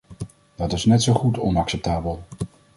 Dat is net zo goed onacceptabel!